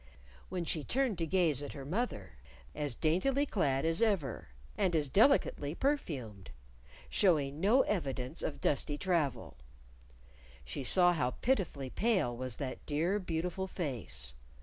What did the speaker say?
When she turned to gaze at her mother, as daintily clad as ever, and as delicately perfumed showing no evidence of dusty travel she saw how pitifully pale was that dear beautiful face.